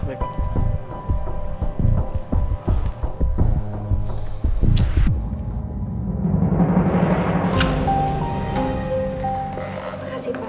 terima kasih pak